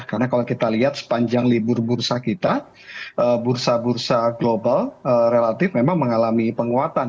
karena kalau kita lihat sepanjang libur bursa kita bursa bursa global relatif memang mengalami penguatan